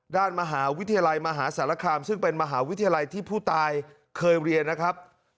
ด้านมหาวิทยาลัยมหาสารคามซึ่งเป็นมหาวิทยาลัยที่ผู้ตายเคยเรียนนะครับ